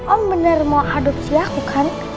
om benar mau adopsi aku kan